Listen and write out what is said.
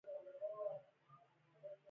هغه ښکلي خبري کوي.